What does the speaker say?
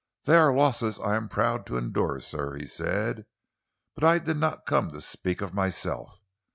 "They are losses I am proud to endure, sir," he said. "But I did not come to speak of myself.